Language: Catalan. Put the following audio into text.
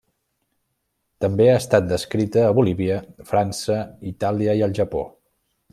També ha estat descrita a Bolívia, França, Itàlia i el Japó.